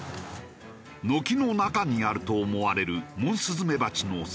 軒の中にあると思われるモンスズメバチの巣。